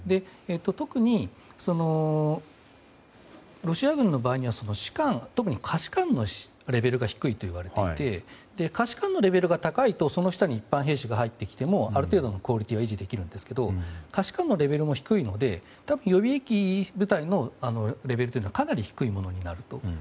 特に、ロシア軍の場合には士官、特に下士官のレベルが低いといわれていて下士官のレベルが低いとその下に一般兵士が入ってきてもある程度、クオリティーは維持できるんですけども下士官のレベルも低いので予備役部隊のレベルというのはかなり低いものになる。